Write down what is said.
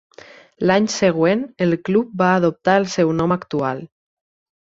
L'any següent el club va adoptar el seu nom actual.